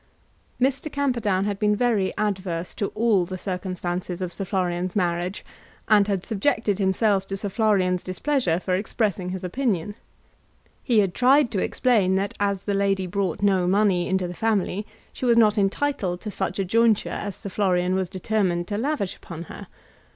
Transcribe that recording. Mr. Camperdown had been very adverse to all the circumstances of Sir Florian's marriage, and had subjected himself to Sir Florian's displeasure for expressing his opinion. He had tried to explain that as the lady brought no money into the family she was not entitled to such a jointure as Sir Florian was determined to lavish upon her.